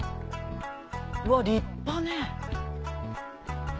うわ立派ね！